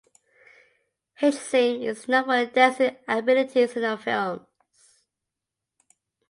Hsing is known for her dancing abilities in her films.